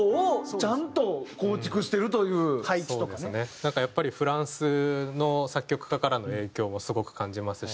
だからやっぱりフランスの作曲家からの影響をすごく感じますし。